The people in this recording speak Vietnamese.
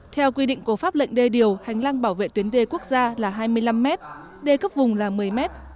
theo quy định của pháp lệnh đê điều hành lang bảo vệ tuyến đê quốc gia là hai mươi năm mét đê cấp vùng là một mươi mét